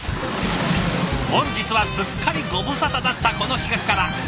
本日はすっかりご無沙汰だったこの企画から。